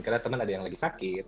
karena teman ada yang lagi sakit